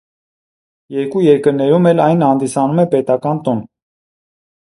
Երկու երկրներում էլ այն հանդիսանում է պետական տոն։